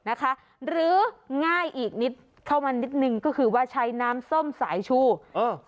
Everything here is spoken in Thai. นะคะหรือง่ายอีกนิดเข้ามานิดนึงก็คือว่าใช้น้ำส้มสายชูเออ